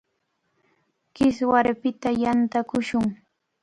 Kiswarpita yantakushun.